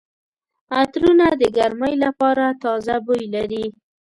عطرونه د ګرمۍ لپاره تازه بوی لري.